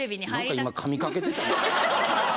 何か今噛みかけてたな。